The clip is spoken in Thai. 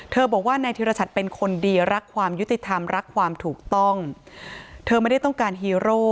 บอกว่านายธิรชัดเป็นคนดีรักความยุติธรรมรักความถูกต้องเธอไม่ได้ต้องการฮีโร่